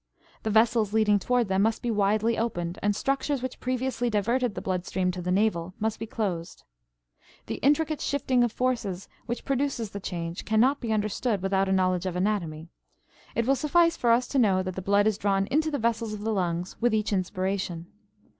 The vessels leading toward them must be widely opened, and structures which previously diverted the blood stream to the navel must be closed. The intricate shifting of forces which produces the change cannot be understood without a knowledge of anatomy; it will suffice for us to know that the blood is drawn into the vessels of the lungs with each inspiration.